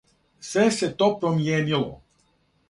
Све се то промијенило.